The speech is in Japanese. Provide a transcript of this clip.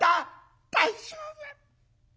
『大丈夫。